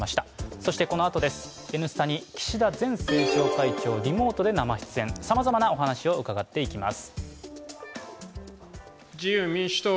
そしてこのあと、「Ｎスタ」に岸田前政調会長、リモートで生出演、さまざまお話を伺っていきます。